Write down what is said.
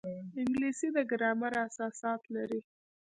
انګلیسي د ګرامر اساسات لري